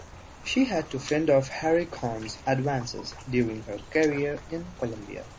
She had to fend off Harry Cohn's advances during her career in Columbia.